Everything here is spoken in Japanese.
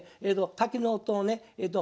滝の音をね